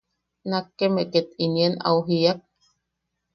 Nakkeme ket inien au jiak: